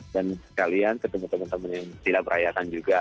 dan sekalian ke teman teman teman yang tidak berayakan juga